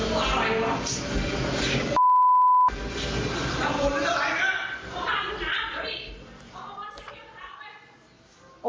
แม่ไหลไปเลยโอ้โห